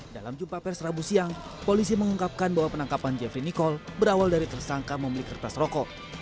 dalam jumpa pers rabu siang polisi mengungkapkan bahwa penangkapan jeffrey nicole berawal dari tersangka membeli kertas rokok